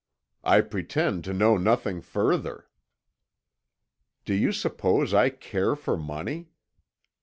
I pretend to nothing further." "Do you suppose I care for money?"